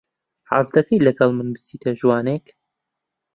حەز دەکەیت لەگەڵ من بچیتە ژوانێک؟